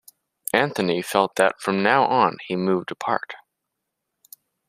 Anthony felt that from now on he moved apart.